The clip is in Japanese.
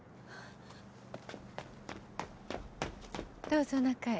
どうぞ中へ。